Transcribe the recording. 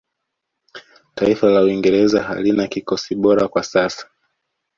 taifa la uingereza halina kikosi bora kwa sasa